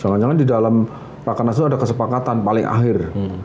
jangan jangan di dalam rakernas itu ada kesepakatan paling akhir